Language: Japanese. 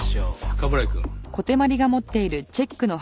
冠城くん。